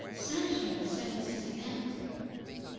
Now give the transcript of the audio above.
SANCHO SETTLES HIS ACCOUNT.